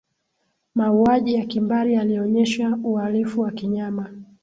mauaji ya kimbari yalionyesha uhalifu wa kinyama